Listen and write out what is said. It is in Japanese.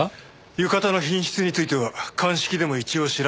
浴衣の品質については鑑識でも一応調べてみました。